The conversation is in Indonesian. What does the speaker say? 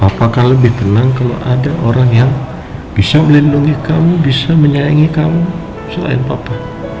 apakah lebih tenang kalau ada orang yang bisa melindungi kamu bisa menyayangi kamu selain papa